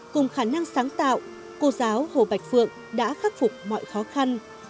cùng khả năng sáng tạo cô giáo hồ bạch phượng đã khắc phục mọi khó khăn